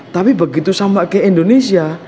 tapi begitu sama kayak indonesia